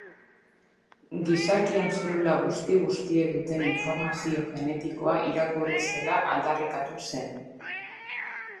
Gizakion zelula guzti-guztiek duten informazio genetikoa irakurri zela aldarrikatu zen.